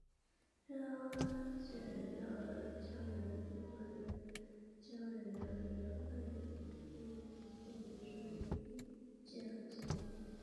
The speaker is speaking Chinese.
道格拉斯飞行器公司设计了一个系统以防止螺旋桨叶片在飞行途中意外地进行反推。